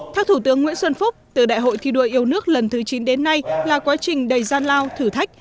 thác thủ tướng nguyễn xuân phúc từ đại hội thi đua yêu nước lần thứ chín đến nay là quá trình đầy gian lao thử thách